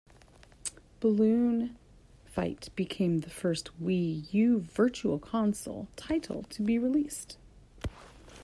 "Balloon Fight" became the first Wii U Virtual Console title to be released.